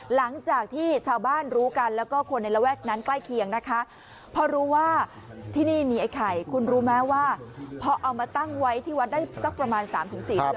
หลังจากที่ชาวบ้านรู้กันแล้วก็คนในระแวกนั้นใกล้เคียงนะคะพอรู้ว่าที่นี่มีไอ้ไข่คุณรู้ไหมว่าพอเอามาตั้งไว้ที่วัดได้สักประมาณ๓๔เดือน